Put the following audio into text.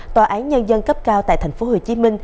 tòa án nhân dân cấp cao tại tp hcm